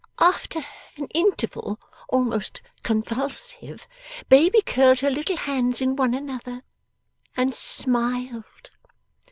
'After an interval almost convulsive, Baby curled her little hands in one another and smiled.